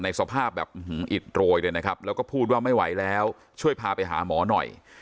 สภาพแบบอิดโรยเลยนะครับแล้วก็พูดว่าไม่ไหวแล้วช่วยพาไปหาหมอหน่อย